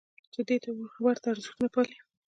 چې دې ته ورته ارزښتونه پالي.